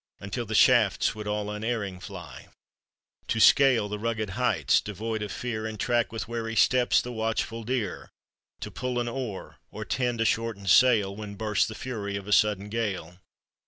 Until the shafts would all unerring fly; To scale the rugged heights devoid of fear. And track with wary steps the watchful deer; To pull an oar, or tend a shortened sail. When burst the fury of a sudden gale.